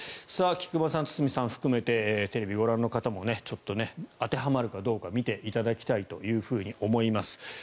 菊間さん、堤さん含めてテレビをご覧の方もちょっと当てはまるかどうか見ていただきたいと思います。